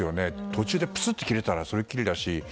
途中でぷつっと切れたらそれっきりだし。